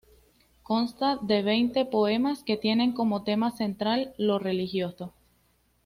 Consta de veinte poemas que tienen como tema central lo religioso.